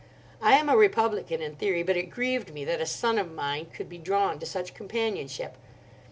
I am a Republican in theory, but it grieved me that a son of mine could be drawn to such companionship.